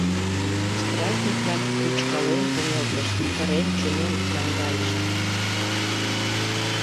Стражник-влак рӱчкален кынелтышт, кырен, чумен наҥгайышт.